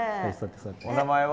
お名前は？